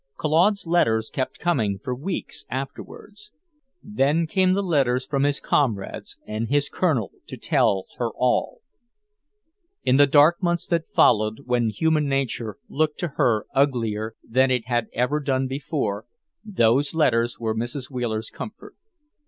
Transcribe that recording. Claude's letters kept coming for weeks afterward; then came the letters from his comrades and his Colonel to tell her all. In the dark months that followed, when human nature looked to her uglier than it had ever done before, those letters were Mrs. Wheeler's comfort.